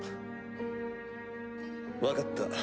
分かった。